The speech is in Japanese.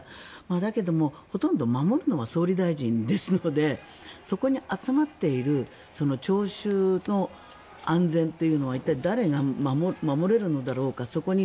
だけど、ほとんど守るのは総理大臣ですのでそこに集まっている聴衆の安全というのは一体誰が守れるのだろうか。